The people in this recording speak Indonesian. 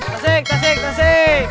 tasik tasik tasik